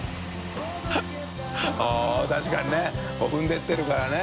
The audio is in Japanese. ◆舛確かにねこう踏んでいってるからね。